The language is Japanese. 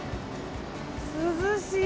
涼しい！